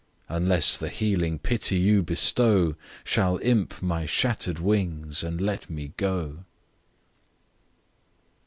Unless the healing pity you bestow, Shall imp my shatter'd wings, and let me go.